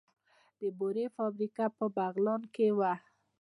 د بورې فابریکه په بغلان کې وه